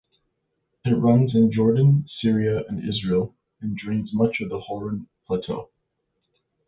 It runs in Jordan, Syria, and Israel and drains much of the Hauran plateau.